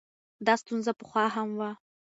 دا ستونزه پخوا هم وه.